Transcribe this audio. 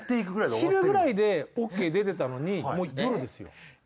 昼くらいでＯＫ出てたのにもう夜ですよ。